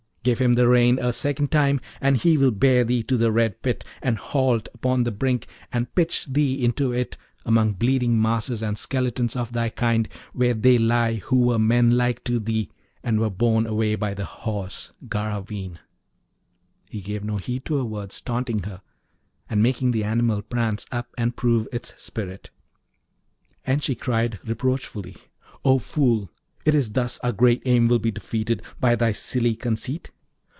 Give him the rein a second time, and he will bear thee to the red pit, and halt upon the brink, and pitch thee into it among bleeding masses and skeletons of thy kind, where they lie who were men like to thee, and were borne away by the Horse Garraveen.' He gave no heed to her words, taunting her, and making the animal prance up and prove its spirit. And she cried reproachfully, 'O fool! is it thus our great aim will be defeated by thy silly conceit?